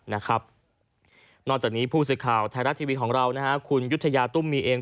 นอกจากนี้ผู้สื่อข่าวไทยรัฐทีวีของเรานะฮะคุณยุธยาตุ้มมีเอง